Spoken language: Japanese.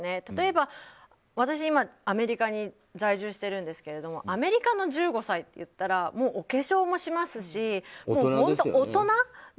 例えば、私は今アメリカに在住しているんですがアメリカの１５歳っていったらもうお化粧もしますし本当、大人。